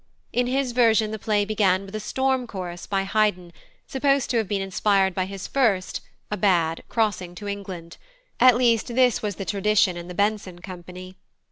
In his version the play began with a "Storm Chorus" by Haydn, supposed to have been inspired by his first (a bad) crossing to England; at least, this was the tradition in the Benson company.